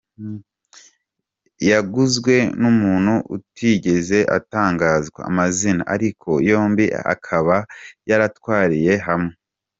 Yaguzwe n’umuntu utigeze atangazwa amazina, ariko yombi akaba yarayatwariye hamwe.